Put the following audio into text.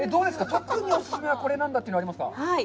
特にお勧めはこれなんだというのはありますか。